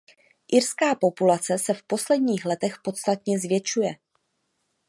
Irská populace se v posledních letech podstatně zvětšuje.